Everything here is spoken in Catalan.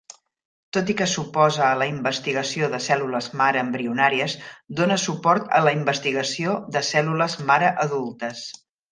Tot i que s'oposa a la investigació de cèl·lules mare embrionàries, dona suport a la investigació de cèl·lules mare adultes.